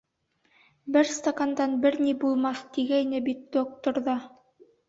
Бер стакандан бер ни булмаҫ, тигәйне бит доктор ҙа.